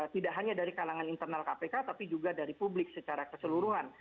tidak hanya dari kalangan internal kpk tapi juga dari publik secara keseluruhan